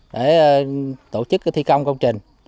để tổ chức thi công công trình